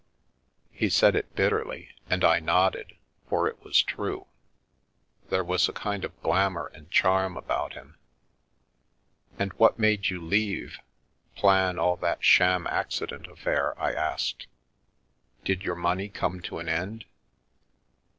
He said it bitterly, and I nodded, for it was true. There was a kind of glamour and charm about him. " And what made you leave, plan all that sham acci dent affair ?" I asked. " Did your money come to an end?"